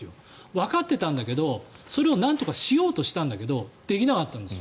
わかってたんだけど、それをなんとかしようとしたんだけどできなかったんです。